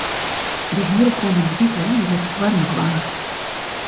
De hiele kommende wike is it stoarmich waar.